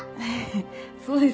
そうですよ。